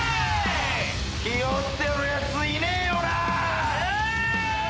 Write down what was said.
ひよってるやついねえよな？